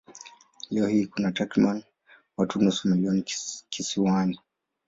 Leo hii kuna takriban watu nusu milioni kisiwani.